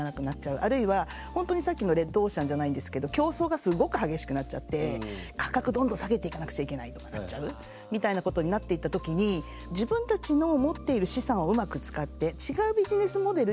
あるいはホントにさっきのレッドオーシャンじゃないんですけど競争がすっごく激しくなっちゃって価格どんどん下げていかなくちゃいけないとかなっちゃうみたいなことになっていった時にバスケでも使うあの